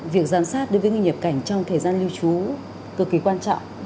việc giám sát đối với người nhập cảnh trong thời gian lưu trú cực kỳ quan trọng